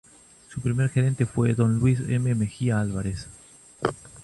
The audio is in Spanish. Su primer gerente fue don Luis M. Mejía Álvarez.